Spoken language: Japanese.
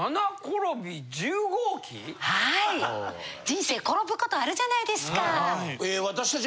人生転ぶことあるじゃないですか。